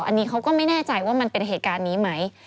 อันนี้เขาก็ไม่แน่ใจว่ามันเป็นเหตุการณ์นี้ไหม